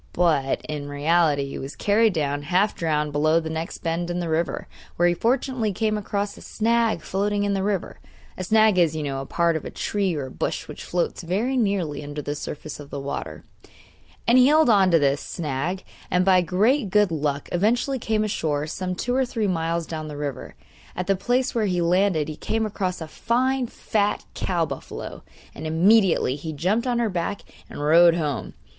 But, in reality, he was carried down, half drowned, below the next bend in the river, where he fortunately came across a 'snag' floating in the water (a snag is, you know, a part of a tree or bush which floats very nearly under the surface of the water); and he held on to this snag, and by great good luck eventually came ashore some two or three miles down the river. At the place where he landed he came across a fine fat cow buffalo, and immediately he jumped on her back and rode home.